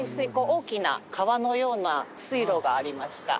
大きな川のような水路がありました